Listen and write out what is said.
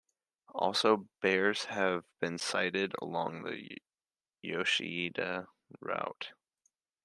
Also, bears have been sighted along the Yoshida route.